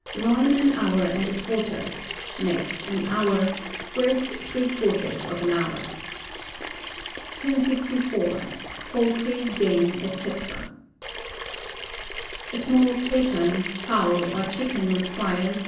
Loin, an hour and a quarter. Neck an hour. Breast, three quarters of an hour. 1064. Poultry, Game, &c. H. M. A small capon, fowl, or chicken requires...........